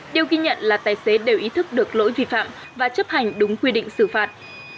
điều ghi nhận là tài xế đều ý thức được lỗi vi phạm và chấp hành đúng quy định xử phạt